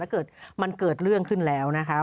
เกิดมันเกิดเรื่องขึ้นแล้วนะคะ